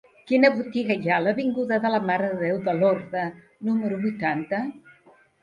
Quina botiga hi ha a l'avinguda de la Mare de Déu de Lorda número vuitanta?